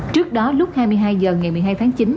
trước đó lúc hai mươi hai h ngày một mươi hai tháng chín